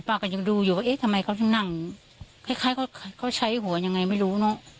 ก็ยังดูอยู่ว่าเอ๊ะทำไมเขาถึงนั่งคล้ายเขาใช้หัวยังไงไม่รู้เนอะ